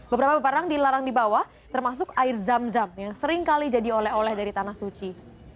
beberapa barang dilarang dibawa termasuk air zam zam yang seringkali jadi oleh oleh dari tanah suci